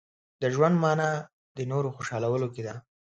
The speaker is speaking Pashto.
• د ژوند مانا د نورو خوشحاله کولو کې ده.